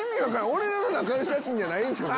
俺らの仲良し写真じゃないんすか？